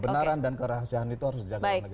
kebenaran dan kerahasiaan itu harus dijaga oleh negara